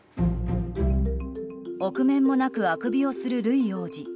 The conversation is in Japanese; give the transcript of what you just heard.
臆面もなくあくびをするルイ王子。